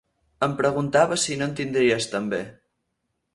Em preguntava si no en tindries també.